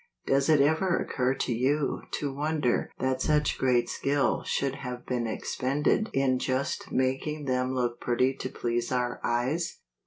Does it ever occur to you to wonder that such great skill should have been expended in just making them look pretty to please our eyes